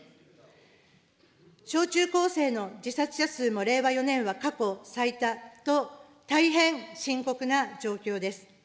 小中高生の自殺者数も令和４年は過去最多と、大変深刻な状況です。